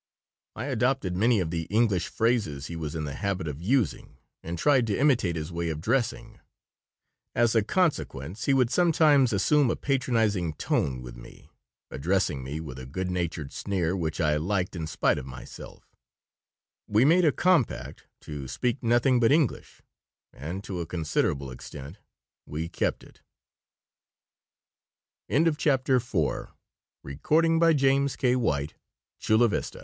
I adopted many of the English phrases he was in the habit of using and tried to imitate his way of dressing. As a consequence, he would sometimes assume a patronizing tone with me, addressing me with a good natured sneer which I liked in spite of myself We made a compact to speak nothing but English, and, to a considerable extent, we kept it CHAPTER V A FEW weeks of employment were succeeded by an